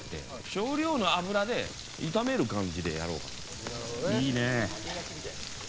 少量の油で炒める感じでやろうかなと。